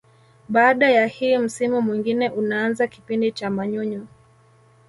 Baada ya hii msimu mwingine unaanza kipindi cha manyunyu